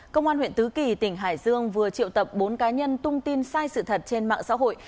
công an huyện tứ kỳ tỉnh hải dương vừa triệu tập bốn cá nhân tung tin sai sự thật trên mạng xã hội